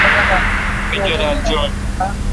می جولال چوݨڈ۔